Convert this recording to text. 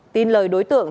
tin lời đối tượng